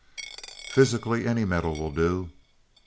"Physically, any metal will do.